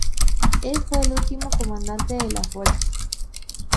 Él fue el último comandante de la fuerza.